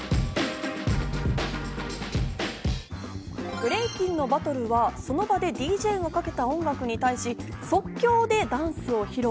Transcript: ブレイキンのバトルはその場でＤＪがかけた音楽に対し即興でダンスを披露。